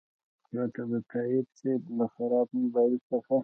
پرته د تایب صیب له خراب موبایل څخه.